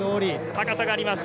高さがあります。